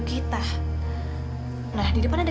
cuma dua hari